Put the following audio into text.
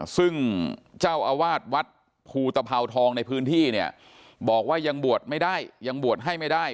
ซึ่งเจ้าอาวาสวัดภูตภาวทองในพื้นที่บอกว่ายังบวชไม่ได้